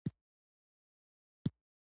زليخا ترور :ښا ما ويل چې خېرت وي.